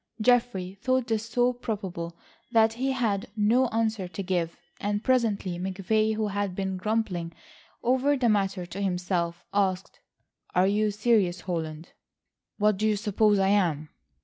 Geoffrey thought this so probable that he had no answer to give and presently McVay, who had been grumbling over the matter to himself, asked: "Are you serious, Holland?" "What do you suppose I am?"